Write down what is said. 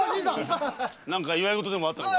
何か祝い事でもあったのか？